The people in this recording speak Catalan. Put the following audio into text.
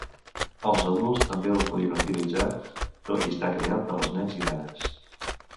Els adults també el podien utilitzar, tot i estar creat per als nens i nenes.